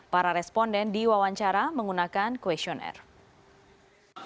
para responden diwawancara menggunakan questionnaire